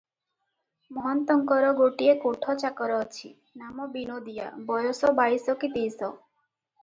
ମହନ୍ତଙ୍କର ଗୋଟିଏ କୋଠଚାକର ଅଛି, ନାମ ବିନୋଦିଆ- ବୟସ ବାଇଶ କି ତେଇଶ ।